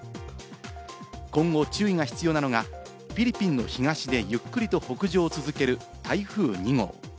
今後、注意が必要なのが、フィリピンの東でゆっくりと北上を続ける台風２号。